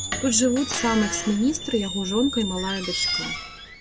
Тут жывуць сам экс-міністр, яго жонка і малая дачка.